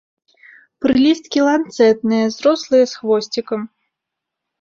Прылісткі ланцэтныя, зрослыя з хвосцікам.